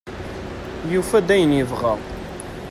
Yufa-d ayen yebɣa.